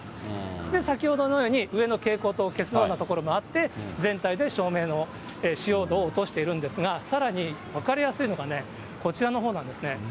で、先ほどのように、上の蛍光灯を消すような所もあって、全体で照明の使用度を落としているんですが、さらに分かりやすいのがね、こちらのほうなんですね。